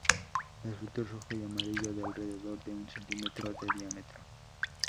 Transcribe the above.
El fruto es rojo y amarillo, de alrededor de un centímetro de diámetro.